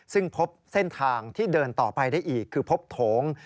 ซึ่งพบเส้นทางที่เดินต่อไปได้อีกคือพบโถง